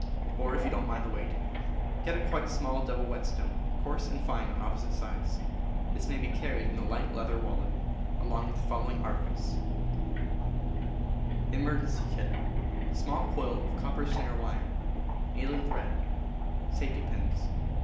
Or, if you don't mind the weight, get a quite small double whetstone, coarse and fine on opposite sides. This may be carried in a light leather wallet, along with the following articles: Small coil of copper snare wire. Needle and thread. Safety pins.